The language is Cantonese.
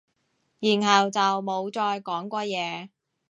然後就冇再講過嘢